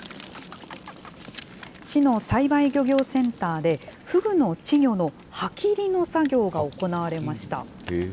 市の栽培漁業センターで、フグの稚魚の歯切りの作業が行われました。